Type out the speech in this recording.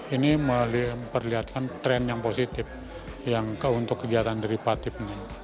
ini memperlihatkan tren yang positif untuk kegiatan dari patip